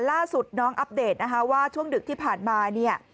ล่าสุดน้องอัปเดตว่าช่วงดึกที่ผ่านมา